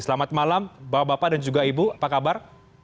selamat malam bapak bapak dan juga ibu apa kabar